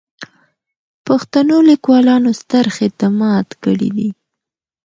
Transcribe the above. پښتنو لیکوالانو ستر خدمات کړي دي.